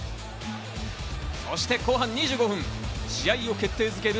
そして後半２５分、試合を決定づける